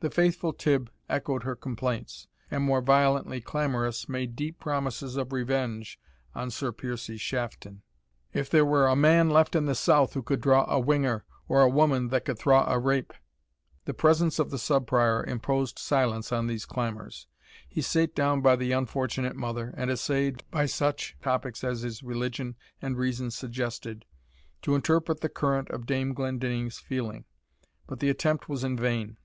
The faithful Tibb echoed her complaints, and, more violently clamorous, made deep promises of revenge on Sir Piercie Shafton, "if there were a man left in the south who could draw a whinger, or a woman that could thraw a rape." The presence of the Sub Prior imposed silence on these clamours. He sate down by the unfortunate mother, and essayed, by such topics as his religion and reason suggested, to interrupt the current of Dame Glendinning's feelings; but the attempt was in vain.